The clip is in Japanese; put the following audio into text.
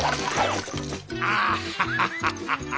ハハハハハ！